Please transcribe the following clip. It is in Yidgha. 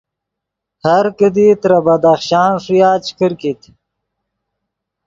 ہر کیدی ترے بدخشان ݰویا چے کرکیت